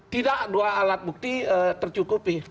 tidak dua alat bukti tercukupi